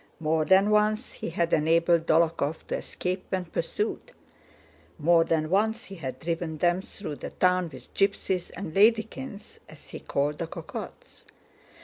More than once he had enabled Dólokhov to escape when pursued. More than once he had driven them through the town with gypsies and "ladykins" as he called the cocottes.